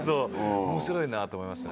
面白いなと思いました。